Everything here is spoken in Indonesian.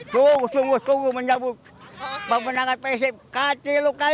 sungguh sungguh sungguh menyambut pemenang persib kacilukali